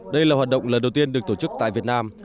đây là hoạt động lần đầu tiên được tổ chức tại việt nam